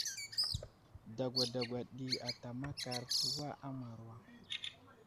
Dagwa dagwa ɗi ata makar təwa a Mawra.